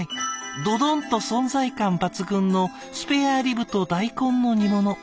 ドドンと存在感抜群のスペアリブと大根の煮物。